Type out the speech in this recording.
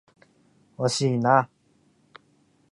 惜しいな。